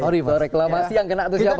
soal reklamasi yang kena atau siapa